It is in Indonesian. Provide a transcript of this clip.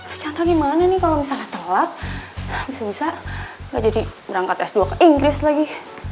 lu catra gimana nih kalo misalnya telat bisa bisa gak jadi berangkat s dua ke inggris lagi